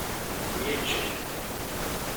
Myeǧǧen.